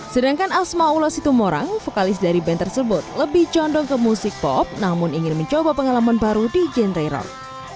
sedangkan asma ulos situmorang vokalis dari band tersebut lebih condong ke musik pop namun ingin mencoba pengalaman baru di genre rock